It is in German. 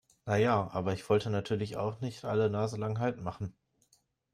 Na ja, aber ich wollte natürlich auch nicht alle naselang Halt machen.